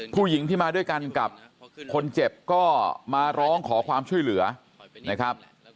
ผู้หญิงที่มาด้วยกันกับคนเจ็บก็มาร้องขอความช่วยเหลือนะครับ